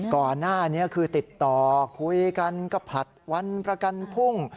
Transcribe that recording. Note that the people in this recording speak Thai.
ก่อนหน้านี้คือติดต่อคุยกันก็ผลัดวันประกันพุ่ง